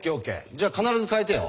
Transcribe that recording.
じゃあ必ず変えてよ。